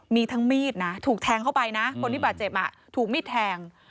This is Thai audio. มีทั้งมีดนะถูกแทงเข้าไปนะคนที่บาดเจ็บถูกมีดแทง